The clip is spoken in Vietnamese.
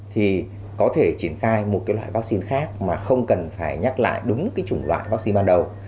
thì có thể triển khai một cái loại vaccine khác mà không cần phải nhắc lại đúng cái chủng loại vaccine ban đầu